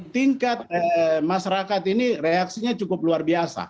tingkat masyarakat ini reaksinya cukup luar biasa